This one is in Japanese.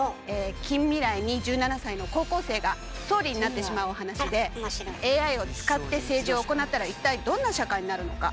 近未来に１７才の高校生が総理になってしまうお話でＡＩを使って政治を行ったら一体どんな社会になるのか。